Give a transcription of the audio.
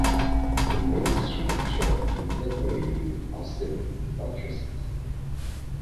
The main structure is decorated with offset buttresses.